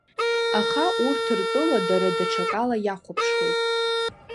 Аха урҭ ртәыла дара даҽакала иахәаԥшуеит.